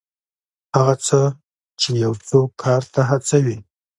هغه څه چې یو څوک کار ته هڅوي.